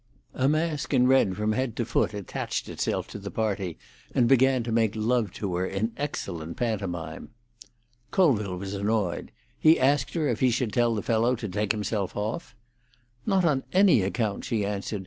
A mask in red from head to foot attached himself to the party, and began to make love to her in excellent pantomime. Colville was annoyed. He asked her if he should tell the fellow to take himself off. "Not on any account!" she answered.